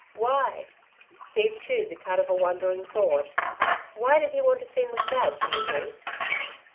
"Why?" Steve chewed the cud of a wondering thought. "Why did he want to see McNab, Deirdre?"